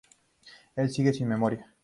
El sigue sin memoria.